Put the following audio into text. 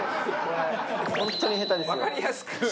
本当に下手ですよ。